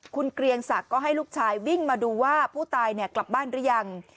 คุณเกรียงศักดิ์ก็ให้ลูกชายวิ่งมาดูว่าผู้ตายกลับบ้านหรือยัง